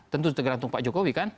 tentu tegra tunggak pak jokowi kan